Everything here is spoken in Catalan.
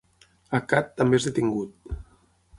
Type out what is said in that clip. Accad també és detingut.